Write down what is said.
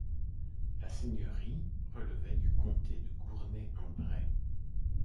La seigneurie relevait du comté de Gournay-en-Bray.